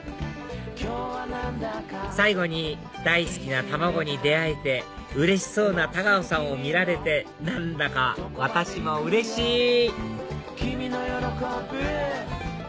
最後に大好きな卵に出会えてうれしそうな太川さんを見られて何だか私もうれしい！